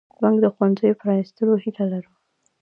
موږ د ښوونځیو پرانیستو هیله لرو.